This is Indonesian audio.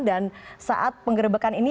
dan saat pengerebekan ini